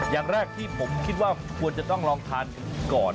อย่างแรกที่ผมคิดว่าควรจะต้องลองทานก่อน